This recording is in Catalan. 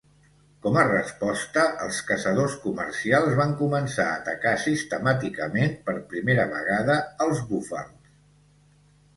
Com a resposta, els caçadors comercials van començar a atacar sistemàticament per primera vegada els búfals.